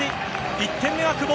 １点目は久保。